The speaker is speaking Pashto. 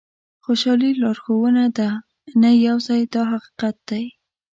خوشالي لارښوونه ده نه یو ځای دا حقیقت دی.